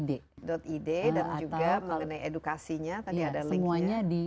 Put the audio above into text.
tadi ada linknya semuanya di